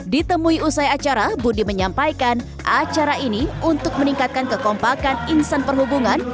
ditemui usai acara budi menyampaikan acara ini untuk meningkatkan kekompakan insan perhubungan